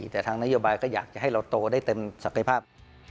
แต่ทางนโยบายก็อยากจะให้เราโตได้เต็มศักยภาพ